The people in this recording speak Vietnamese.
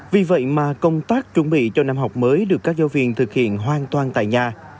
vì vậy mà công tác chuẩn bị cho năm học mới được các giáo viên thực hiện hoàn toàn tại nhà